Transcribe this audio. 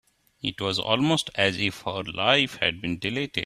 It was almost as if her life had been deleted.